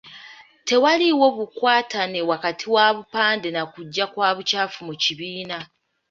Tewaliiwo bukwatane wakati wa bupande na kujja kwa bucaafu mu kibiina.